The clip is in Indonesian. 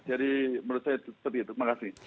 jadi menurut saya seperti itu terima kasih